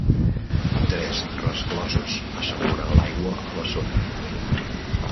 Tres rescloses asseguren l'aigua a la zona.